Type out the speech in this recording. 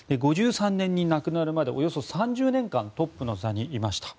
５３年に亡くなるまでおよそ３０年間トップの座にいました。